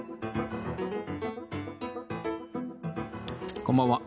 こんばんは。